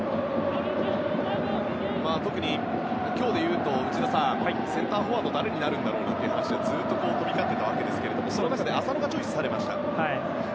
特に、今日でいうと内田さんセンターフォワード誰になるんだというお話が、ずっと飛び交っていたわけですがその中で浅野がチョイスされました。